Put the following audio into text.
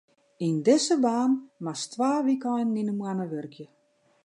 Yn dizze baan moatst twa wykeinen yn 'e moanne wurkje.